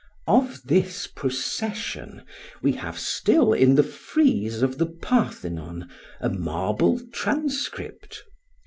Of this procession we have still in the frieze of the Parthenon a marble transcript.